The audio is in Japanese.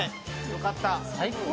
よかった。